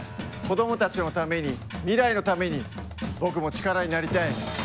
子どもたちのために未来のために僕も力になりたい！